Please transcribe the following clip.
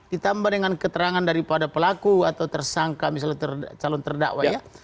ditambah dengan keterangan daripada pelaku atau tersangka misalnya calon terdakwa ya